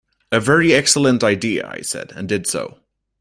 "A very excellent idea," I said, and did so.